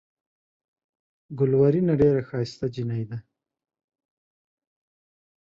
ګلورينه ډېره ښائسته جينۍ ده۔